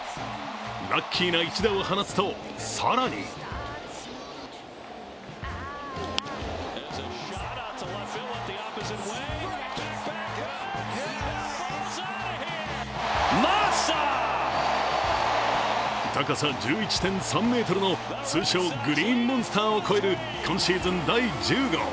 ラッキーな一打を放つと、更に高さ１１．３ｍの通称グリーンモンスターを越える今シーズン第１０号。